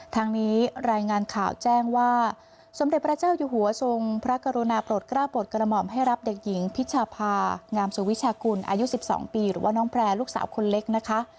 ทางนี้รายงานข่าวแจ้งว่าสมเด็จพระเจ้าอยู่หัวทรงพระกรุณาปลดกล้าปลดกระหม่อมให้รับเด็กหญิงพิชภางามสุวิชากุลอายุ๑๒ปีหรือว่าน้องแพร่ลูกสาวคนเล็กนะคะ